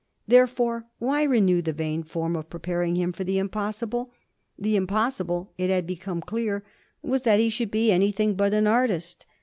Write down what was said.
Therefore why renew the vain form of preparing him for the impossible? The impossible it had become clear was that he should be anything but an artist.